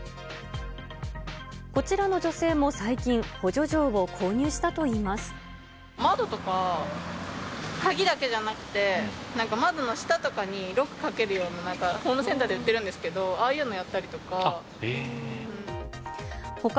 こちらの女性も最近、窓とか鍵だけじゃなくて、なんか窓の下とかにロックかけるような、ホームセンターで売ってるんですけど、ああいうのやったりとか。